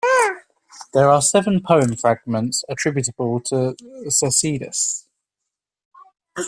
There are seven poem fragments attributable to Cercidas.